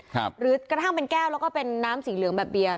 หรือกระทั่งเป็นแก้วแล้วก็เป็นน้ำสีเหลืองแบบเบียร์